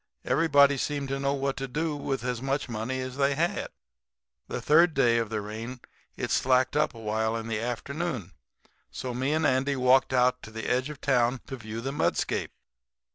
Everybody seemed to know what to do with as much money as they had. "The third day of the rain it slacked up awhile in the afternoon, so me and Andy walked out to the edge of town to view the mudscape.